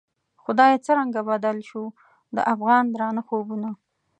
خدایه څرنګه بدل شوو، د افغان درانه خوبونه